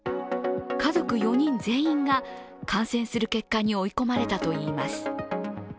家族４人全員が、感染する結果に追い込まれたといいます。